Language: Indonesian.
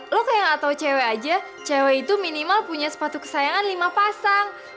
lo kayak nggak tahu cewek aja cewek itu minimal punya sepatu kesayangan lima pasang